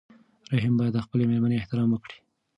رحیم باید د خپلې مېرمنې احترام وکړي.